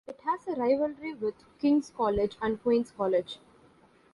It has a rivalry with King's College and Queen's College.